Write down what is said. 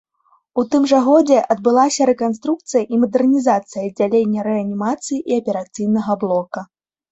У тым жа годзе адбылася рэканструкцыя і мадэрнізацыя аддзялення рэанімацыі і аперацыйнага блока.